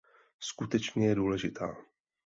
Skutečně je důležitá.